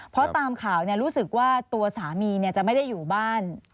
เพราะตามข่าวรู้สึกว่าตัวสามีจะไม่ได้อยู่บ้าน